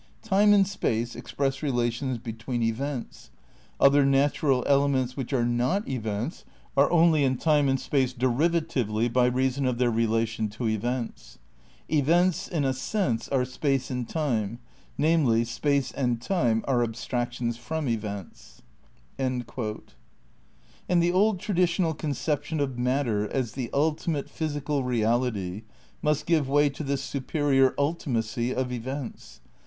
"Time and space express relations between events. Other natural elements which are not events are only in time and space derivatively by reason of their relation to events." "Events (in a sense) are space and time, namely, space and time are abstractions from events." " And the old traditional conception of matter as the ultimate physical reality must give way to this superior ultimacy of events.